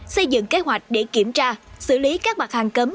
xây dựng kế hoạch để kiểm tra xử lý các mặt hàng cấm